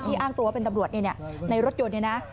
ที่อ้างตัวว่าเป็นตำรวจในรถยนต์